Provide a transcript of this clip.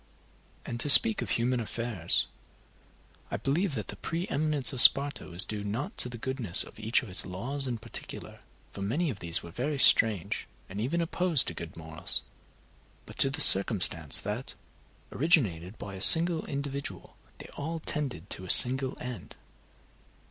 And, to speak of human affairs, I believe that the pre eminence of Sparta was due not to the goodness of each of its laws in particular, for many of these were very strange, and even opposed to good morals, but to the circumstance that, originated by a single individual, they all tended to a single end.